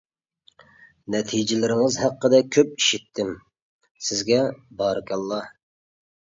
نەتىجىلىرىڭىز ھەققىدە كۆپ ئىششىتتىم، سىزگە بارىكاللا.